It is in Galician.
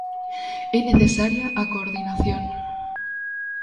É necesaria a coordinación.